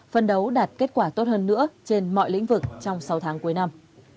phân đấu đạt kết quả tốt hơn nữa trên mọi lĩnh vực trong sáu tháng cuối năm